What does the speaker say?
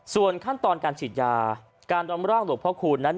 ส่วนขั้นตอนการฉีดยาการดอมร่างหลวงพ่อคูณนั้น